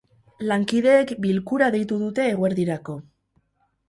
Lankideek bilkura deitu dute eguerdirako.